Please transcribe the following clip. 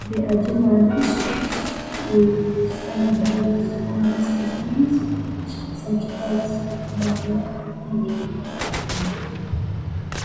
They are generally streets with standardised house designs such as Burgh Quay.